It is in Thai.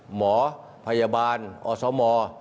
หมอพยาบาลอสม